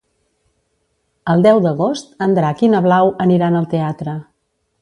El deu d'agost en Drac i na Blau aniran al teatre.